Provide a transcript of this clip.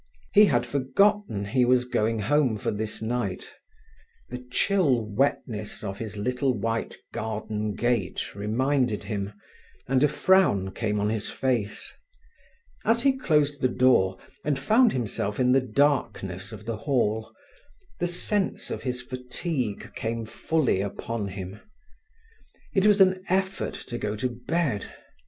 He had forgotten he was going home for this night. The chill wetness of his little white garden gate reminded him, and a frown came on his face. As he closed the door, and found himself in the darkness of the hall, the sense of his fatigue came fully upon him. It was an effort to go to bed.